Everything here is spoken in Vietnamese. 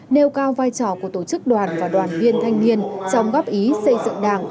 nêu cao vai trò của tổ chức đoàn và đoàn viên thanh niên trong góp ý xây dựng đảng